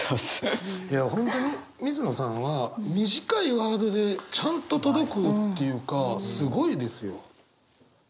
いや本当に水野さんは短いワードでちゃんと届くっていうかすごいですよ。